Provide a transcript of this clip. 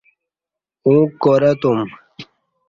اوں کار اتوم۔